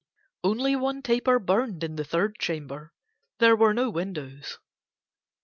Only one taper burned in the third chamber; there were no windows.